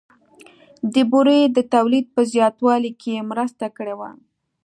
د بورې د تولید په زیاتوالي کې یې مرسته کړې وي